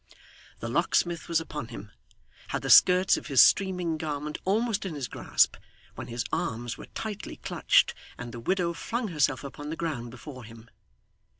The locksmith was upon him had the skirts of his streaming garment almost in his grasp when his arms were tightly clutched, and the widow flung herself upon the ground before him.